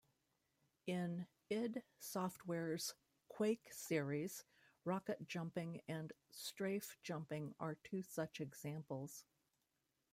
In id Software's "Quake" series, rocket jumping and strafe-jumping are two such examples.